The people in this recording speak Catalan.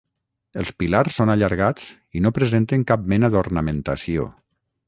Els pilars són allargats i no presenten cap mena d'ornamentació.